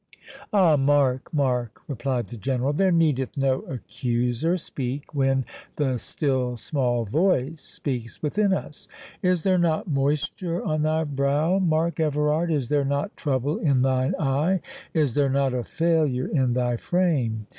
"Ah, Mark, Mark," replied the General, "there needeth no accuser speak when the still small voice speaks within us. Is there not moisture on thy brow, Mark Everard? Is there not trouble in thine eye? Is there not a failure in thy frame?